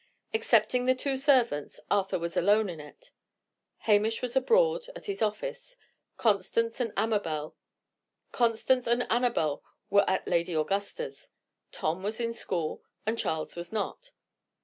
Excepting the two servants, Arthur was alone in it. Hamish was abroad, at his office; Constance and Annabel were at Lady Augusta's; Tom was in school; and Charles was not.